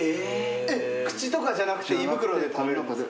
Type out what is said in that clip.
口とかじゃなくて胃袋で食べるんですか？